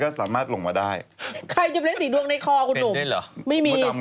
บอกมาหน่อยละกัน